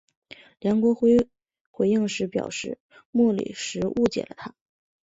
梁国辉回应时表示莫礼时误解了他。